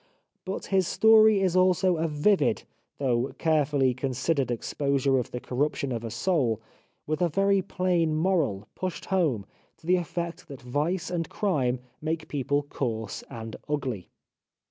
But his story is also a vivid, though carefully considered ex posure of the corruption of a soul, with a very plain moral, pushed home, to the effect that vice and crime make people coarse and ugly.